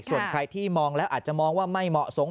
ส่วนใครที่มองแล้วอาจจะมองว่าไม่เหมาะสม